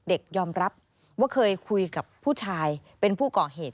ยอมรับว่าเคยคุยกับผู้ชายเป็นผู้ก่อเหตุ